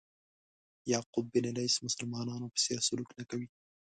یعقوب بن لیث مسلمانانو په څېر سلوک نه کوي.